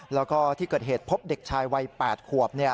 แล้วก็ที่เกิดเหตุพบเด็กชายวัย๘ขวบ